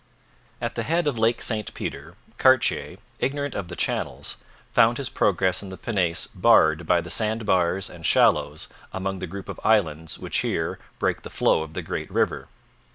At the head of Lake St Peter, Cartier, ignorant of the channels, found his progress in the pinnace barred by the sand bars and shallows among the group of islands which here break the flow of the great river.